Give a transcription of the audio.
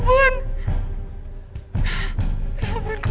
tidak ada aktivitas apapun sejak dua hari yang lalu